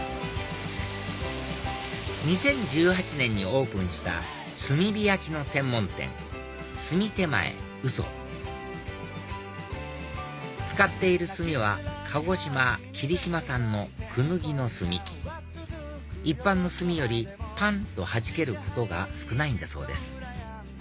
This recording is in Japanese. ２０１８年にオープンした炭火焼きの専門店炭手前鷽使っている炭は鹿児島霧島産のクヌギの炭一般の炭よりパン！とはじけることが少ないんだそうです